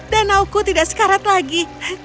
danau ku tidak sekarat lagi